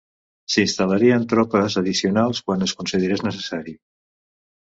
S'instal·larien tropes addicionals quan es considerés necessari.